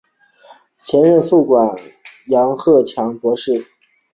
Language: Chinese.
首任宿舍舍监为杨鹤强博士及邓素琴博士。